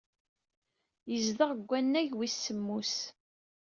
Yezdeɣ deg wannag wis semmus.